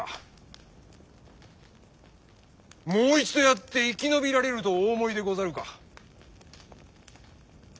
もう一度やって生き延びられるとお思いでござるか？